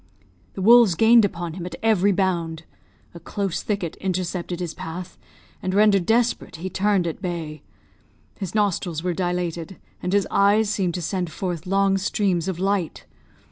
The wolves gained upon him at every bound. A close thicket intercepted his path, and, rendered desperate, he turned at bay. His nostrils were dilated, and his eyes seemed to send forth long streams of light.